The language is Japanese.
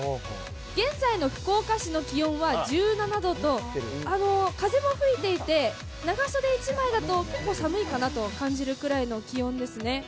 現在の福岡市の気温は１７度と、風も吹いていて、長袖１枚だと結構寒いかなと感じるくらいの気温ですね。